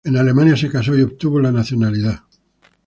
En Alemania se casó y obtuvo la nacionalidad.